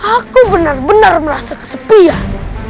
aku benar benar merasa kesepian